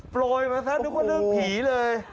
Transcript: โปรยมาซะนึกว่าเรื่องผีเลย